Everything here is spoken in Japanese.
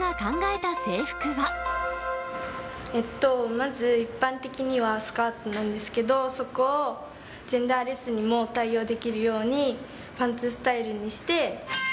まず、一般的にはスカートなんですけど、そこをジェンダーレスにも対応できるように、パンツスタイルにして。